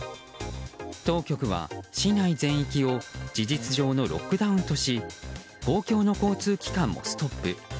当局は、市内全域を事実上のロックダウンとし公共の交通機関もストップ。